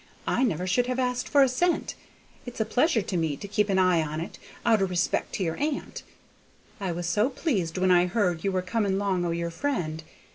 I never should have asked for a cent; it's a pleasure to me to keep an eye on it, out o' respect to your aunt. I was so pleased when I heard you were coming long o' your friend.